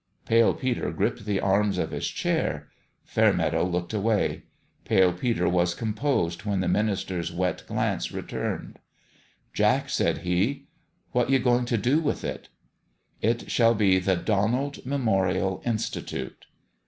Pale Peter gripped the arms of his chair. Fairmeadow looked away. Pale Peter was com posed when the minister's wet glance returned. " Jack," said he, " what you going to do with it?" " It shall be the Donald Memorial Institute."